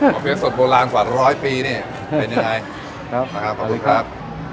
ป่อเปี๊ยะสดโบราณสวัสดิ์ร้อยปีนี่เป็นยังไงครับนะฮะขอบคุณครับ